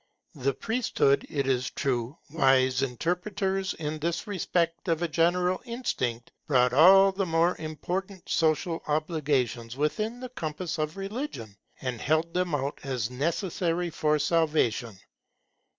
The priesthood, it is true, wise interpreters in this respect of a general instinct, brought all the more important social obligations within the compass of religion, and held them out as necessary for salvation.